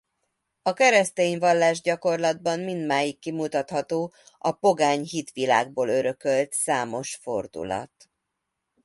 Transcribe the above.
A keresztény vallásgyakorlatban mindmáig kimutatható a pogány hitvilágból örökölt számos fordulat.